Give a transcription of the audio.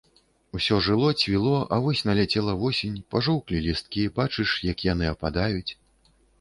Усё жыло, цвіло, а вось наляцела восень, пажоўклі лісткі, бачыш, як яны ападаюць.